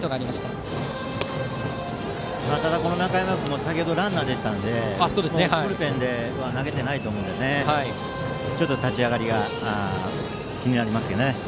中山君も先程ランナーでしたのでブルペンでは投げていないと思うので立ち上がりが気になりますね。